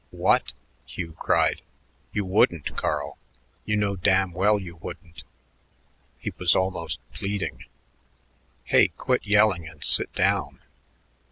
"What!" Hugh cried. "You wouldn't, Carl! You know damn well you wouldn't." He was almost pleading. "Hey, quit yelling and sit down."